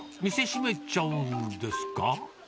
店閉めちゃうんですか？